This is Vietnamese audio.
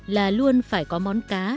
là luôn phải có món cá